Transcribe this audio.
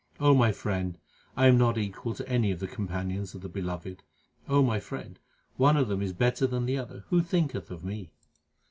O my friend, I am not equal to any of the companions of the Beloved. my friend, one of them is better than the other ; who thinketh of me